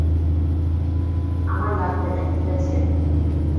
আমার লাগবে না, ঠিক আছে?